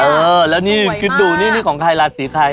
เออแล้วนี่คิดดูนี่ของใครล่ะสีใคร